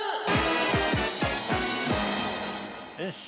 よし。